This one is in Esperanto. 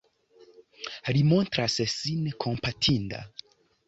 Li montras sin kompatinda.